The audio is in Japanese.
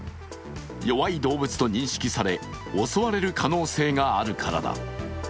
弱い動物と認識され、襲われる可能性があるからだ。